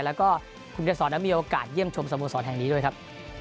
แล้วก็คุณเกษรนั้นมีโอกาสเยี่ยมชมสโมสรแห่งนี้ด้วยครับ